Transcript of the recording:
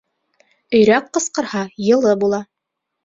Өйрәк ҡысҡырһа, йылы була.